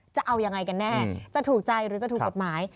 จะเอายังไงกันแน่จะถูกใจหรือจะถูกกฎหมาย